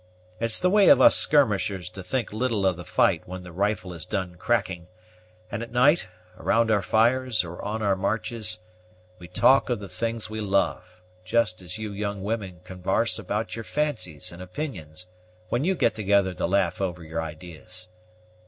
It's the way of us skirmishers to think little of the fight when the rifle has done cracking; and at night, around our fires, or on our marches, we talk of the things we love, just as you young women convarse about your fancies and opinions when you get together to laugh over your idees.